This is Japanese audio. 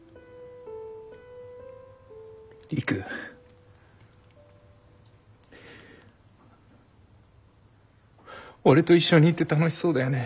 璃久俺と一緒にいて楽しそうだよね？